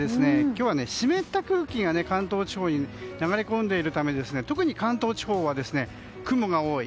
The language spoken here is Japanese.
今日は湿った空気が関東地方に流れ込んでいるため特に関東地方は雲が多い。